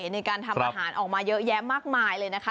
ในการทำอาหารออกมาเยอะแยะมากมายเลยนะคะ